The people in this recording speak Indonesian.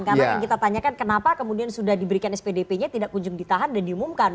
karena yang kita tanyakan kenapa kemudian sudah diberikan spdp nya tidak kunjung ditahan dan diumumkan